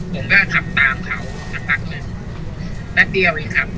ผมก็ขับตามเขาสักพักหนึ่งแป๊บเดียวเลยครับ